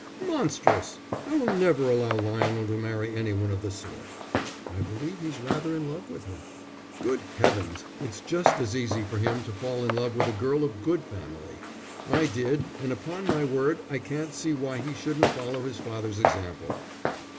"Monstrous! I will never allow Lionel to marry any one of the sort." "I believe he's rather in love with her." "Good heavens, it's just as easy for him to fall in love with a girl of good family. I did, and upon my word I can't see why he shouldn't follow his father's example."